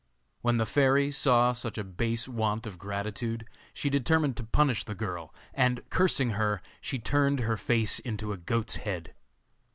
When the fairy saw such a base want of gratitude she determined to punish the girl, and, cursing her, she turned her face into a goat's head.